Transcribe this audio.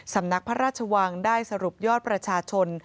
สำนักพระราชวังได้สรุปยอดประชาชน